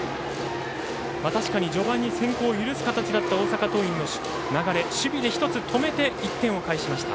確かに序盤に先行を許す形だった大阪桐蔭の流れ守備で１つ止めて１点を返しました。